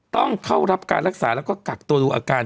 ต้องเข้ารับการรักษาแล้วก็กักตัวดูอาการ